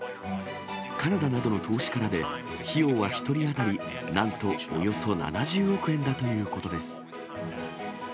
カナダなどの投資家らで、費用は１人当たりなんとおよそ７０億円だということです。